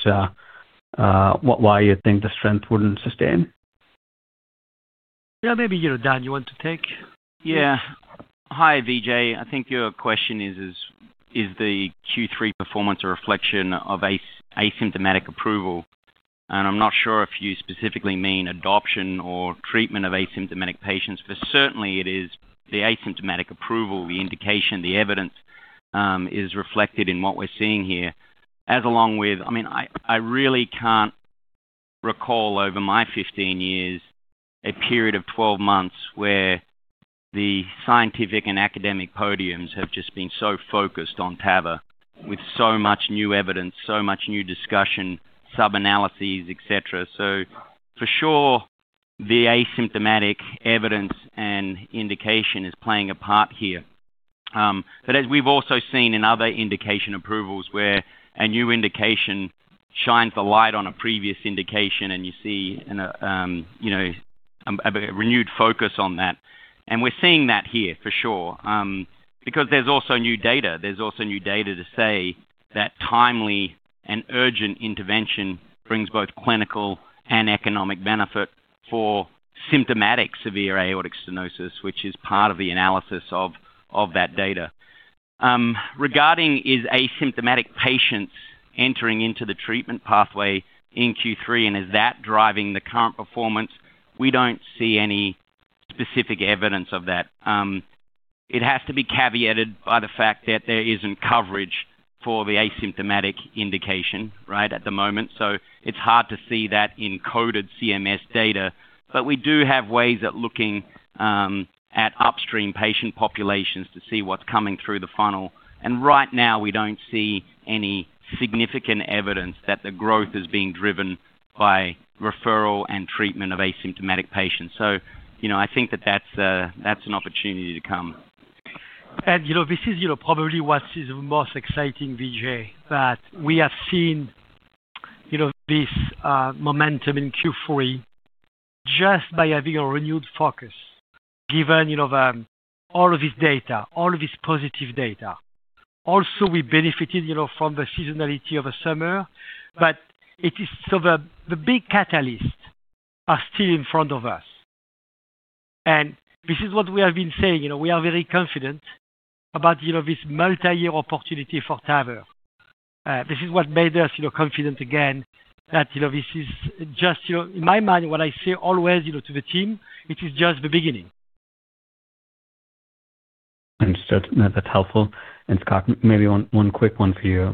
why you think the strength wouldn't sustain. Maybe Dan, you want to take? Yeah. Hi, Vijay. I think your question is, the Q3 performance a reflection of asymptomatic approval? I'm not sure if you specifically mean adoption or treatment of asymptomatic patients, but certainly it is the asymptomatic approval, the indication, the evidence. It is reflected in what we're seeing here, along with, I mean, I really can't recall over my 15 years a period of 12 months where the scientific and academic podiums have just been so focused on TAVR with so much new evidence, so much new discussion, sub-analyses, etc. For sure, the asymptomatic evidence and indication is playing a part here. As we've also seen in other indication approvals where a new indication shines the light on a previous indication and you see a renewed focus on that. We're seeing that here, for sure, because there's also new data. There's also new data to say that timely and urgent intervention brings both clinical and economic benefit for symptomatic severe aortic stenosis, which is part of the analysis of that data. Regarding is asymptomatic patients entering into the treatment pathway in Q3, and is that driving the current performance? We don't see any specific evidence of that. It has to be caveated by the fact that there isn't coverage for the asymptomatic indication, right, at the moment. It's hard to see that in coded CMS data. We do have ways of looking at upstream patient populations to see what's coming through the funnel. Right now, we don't see any significant evidence that the growth is being driven by referral and treatment of asymptomatic patients. I think that that's an opportunity to come. This is probably what is most exciting, Vijay, that we have seen. This momentum in Q3 just by having a renewed focus, given all of this data, all of this positive data. Also, we benefited from the seasonality of a summer, but the big catalysts are still in front of us. This is what we have been saying. We are very confident about this multi-year opportunity for TAVR. This is what made us confident again that this is just, in my mind, what I say always to the team, it is just the beginning. Understood. That's helpful. Scott, maybe one quick one for you.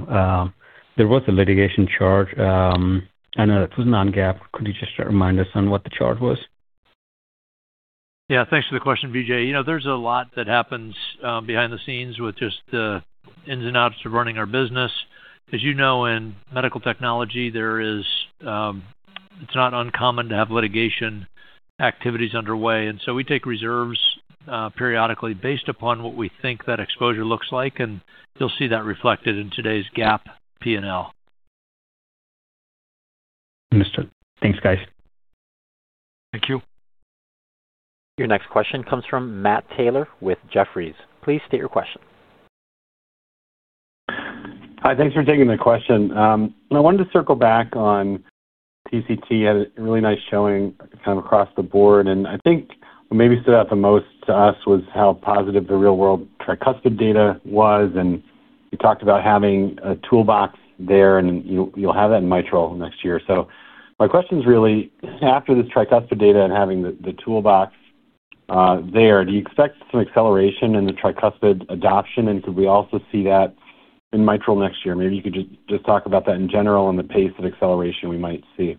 There was a litigation charge. I know that was an non-GAAP. Could you just remind us on what the charge was? Yeah. Thanks for the question, Vijay. There's a lot that happens behind the scenes with just the ins and outs of running our business. As you know, in medical technology, it is not uncommon to have litigation activities underway. We take reserves periodically based upon what we think that exposure looks like. You'll see that reflected in today's GAAP P&L. Understood. Thanks, guys. Thank you. Your next question comes from Matt Taylor with Jefferies. Please state your question. Hi. Thanks for taking the question. I wanted to circle back on TCT had a really nice showing kind of across the board. I think what maybe stood out the most to us was how positive the real-world tricuspid data was. You talked about having a toolbox there, and you'll have that in mitral next year. My question is really, after this tricuspid data and having the toolbox there, do you expect some acceleration in the tricuspid adoption? Could we also see that in mitral next year? Maybe you could just talk about that in general and the pace of acceleration we might see.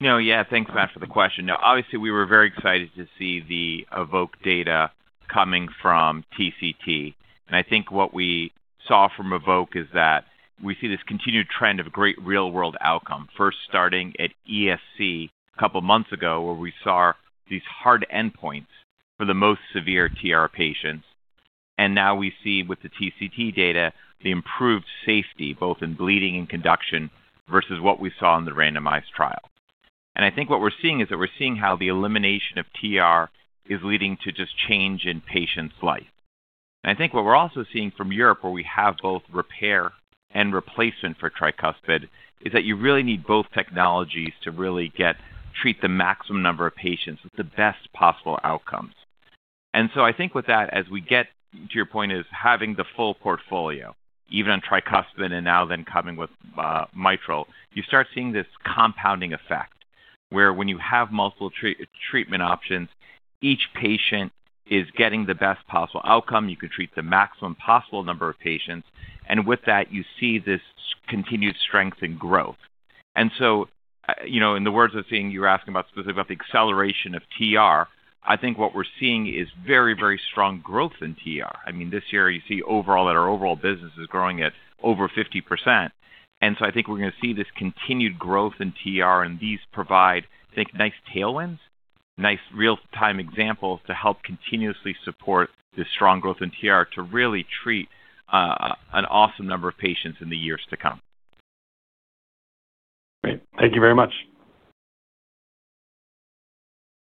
No. Yeah. Thanks, Matt, for the question. Now, obviously, we were very excited to see the EVOQUE data coming from TCT. I think what we saw from EVOQUE is that we see this continued trend of great real-world outcome, first starting at ESC a couple of months ago where we saw these hard endpoints for the most severe TR patients. Now we see, with the TCT data, the improved safety, both in bleeding and conduction versus what we saw in the randomized trial. I think what we're seeing is that we're seeing how the elimination of TR is leading to just change in patients' life. I think what we're also seeing from Europe, where we have both repair and replacement for tricuspid, is that you really need both technologies to really treat the maximum number of patients with the best possible outcomes. I think with that, as we get to your point, is having the full portfolio, even on tricuspid and now then coming with mitral, you start seeing this compounding effect where when you have multiple treatment options, each patient is getting the best possible outcome. You can treat the maximum possible number of patients. With that, you see this continued strength and growth. In the words of saying you were asking about specifically about the acceleration of TR, I think what we're seeing is very, very strong growth in TR. I mean, this year, you see overall that our overall business is growing at over 50%. I think we're going to see this continued growth in TR, and these provide, I think, nice tailwinds, nice real-time examples to help continuously support this strong growth in TR to really treat an awesome number of patients in the years to come. Great. Thank you very much.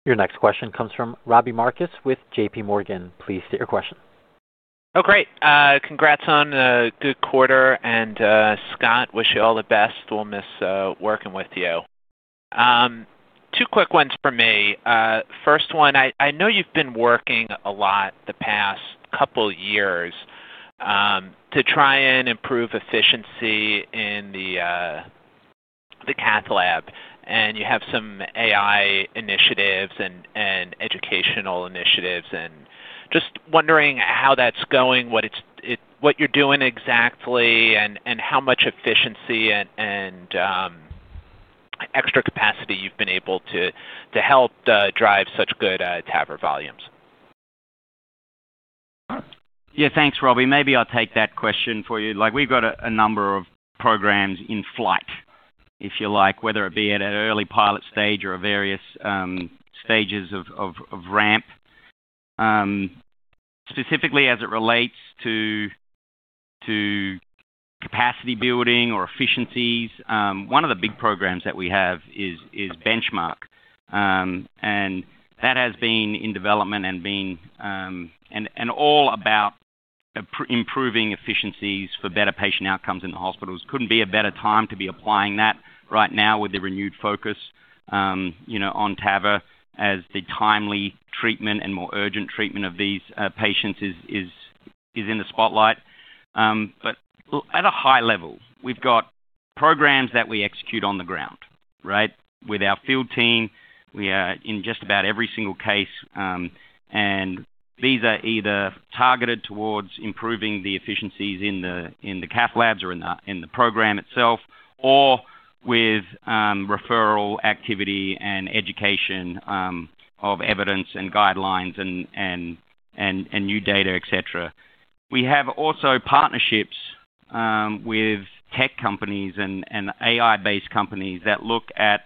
Your next question comes from Robbie Marcus with JPMorgan. Please state your question. Oh, great. Congrats on a good quarter. Scott, wish you all the best. We'll miss working with you. Two quick ones for me. First one, I know you've been working a lot the past couple of years to try and improve efficiency in the cath lab. You have some AI initiatives and educational initiatives. Just wondering how that's going, what you're doing exactly, and how much efficiency and extra capacity you've been able to help drive such good TAVR volumes. Yeah. Thanks, Robbie. Maybe I'll take that question for you. We've got a number of programs in flight, if you like, whether it be at an early pilot stage or various stages of ramp. Specifically as it relates to capacity building or efficiencies, one of the big programs that we have is Benchmark. That has been in development and has been all about improving efficiencies for better patient outcomes in the hospitals. There couldn't be a better time to be applying that right now with the renewed focus on TAVR as the timely treatment and more urgent treatment of these patients is in the spotlight. At a high level, we've got programs that we execute on the ground with our field team. We are in just about every single case, and these are either targeted towards improving the efficiencies in the cath labs or in the program itself, or with referral activity and education of evidence and guidelines and new data, etc. We have also partnerships with tech companies and AI-based companies that look at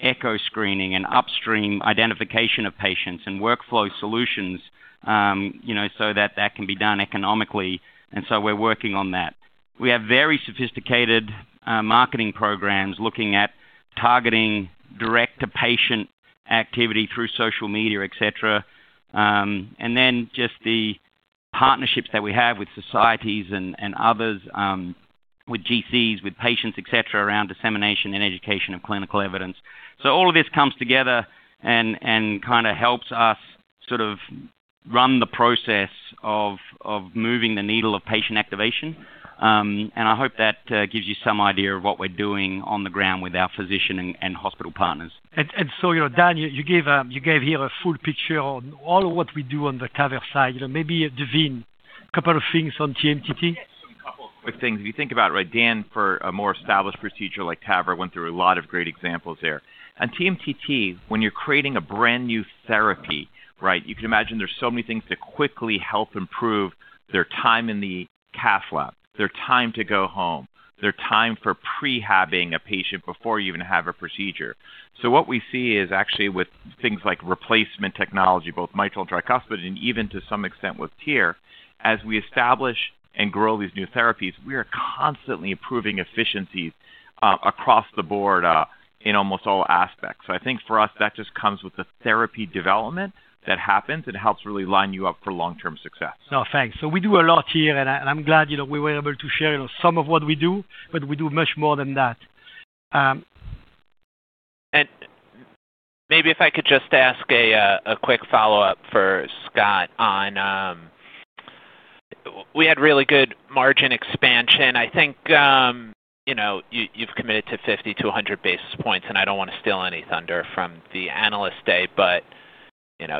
echo screening and upstream identification of patients and workflow solutions so that that can be done economically. We're working on that. We have very sophisticated marketing programs looking at targeting direct-to-patient activity through social media, etc. The partnerships that we have with societies and others, with GCs, with patients, etc., are around dissemination and education of clinical evidence. All of this comes together and helps us run the process of moving the needle of patient activation. I hope that gives you some idea of what we're doing on the ground with our physician and hospital partners. Dan, you gave here a full picture on all of what we do on the TAVR side. Maybe, Daveen, a couple of things on TMTT? Just a couple of quick things. If you think about Dan, for a more established procedure like TAVR, went through a lot of great examples there. TMTT, when you're creating a brand new therapy, you can imagine there's so many things to quickly help improve their time in the cath lab, their time to go home, their time for pre-habbing a patient before you even have a procedure. What we see is actually with things like replacement technology, both mitral and tricuspid, and even to some extent with TEER, as we establish and grow these new therapies, we are constantly improving efficiencies across the board in almost all aspects. I think for us, that just comes with the therapy development that happens and helps really line you up for long-term success. Thanks. We do a lot here, and I'm glad we were able to share some of what we do, but we do much more than that. Maybe if I could just ask a quick follow-up for Scott on. We had really good margin expansion. I think you've committed to 50 to 100 basis points, and I don't want to steal any thunder from the analyst day, but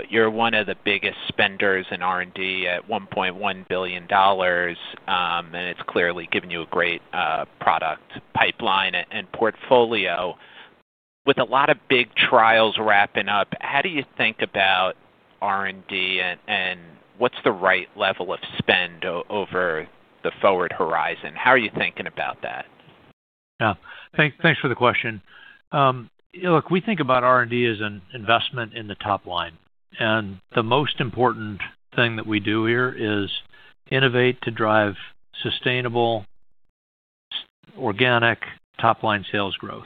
you're one of the biggest spenders in R&D at $1.1 billion. It's clearly given you a great product pipeline and portfolio. With a lot of big trials wrapping up, how do you think about R&D, and what's the right level of spend over the forward horizon? How are you thinking about that? Yeah. Thanks for the question. Look, we think about R&D as an investment in the top line. The most important thing that we do here is innovate to drive sustainable organic top-line sales growth.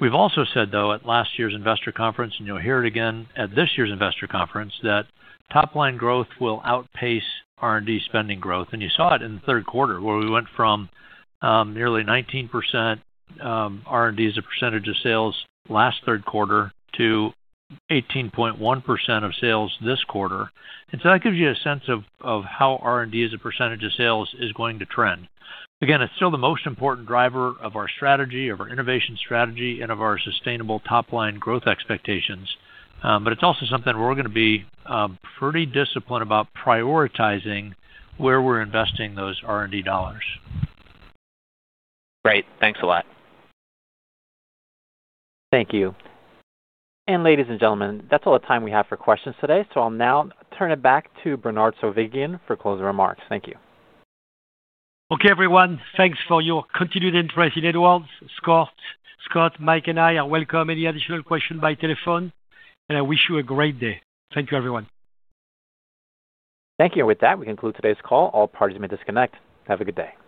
We've also said, at last year's investor conference, and you'll hear it again at this year's investor conference, that top-line growth will outpace R&D spending growth. You saw it in the third quarter where we went from nearly 19% R&D as a percentage of sales last third quarter to 18.1% of sales this quarter. That gives you a sense of how R&D as a percentage of sales is going to trend. Again, it's still the most important driver of our strategy, of our innovation strategy, and of our sustainable top-line growth expectations. It's also something we're going to be pretty disciplined about prioritizing where we're investing those R&D dollars. Great. Thanks a lot. Thank you. Ladies and gentlemen, that's all the time we have for questions today. I'll now turn it back to Bernard Zovighian for closing remarks. Thank you. Okay, everyone. Thanks for your continued interest in Edwards. Scott, Mike, and I welcome any additional questions by telephone. I wish you a great day. Thank you, everyone. Thank you. With that, we conclude today's call. All parties may disconnect. Have a good day.